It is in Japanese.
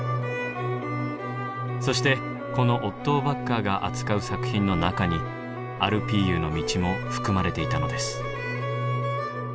そしてこのオットー・ヴァッカーが扱う作品の中に「アルピーユの道」も含まれていたのです。